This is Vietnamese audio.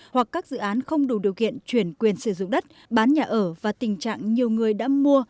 hoặc các dự án không đủ điều kiện chuyển quyền sử dụng đất bán nhà ở và tình trạng nhiều người đã mua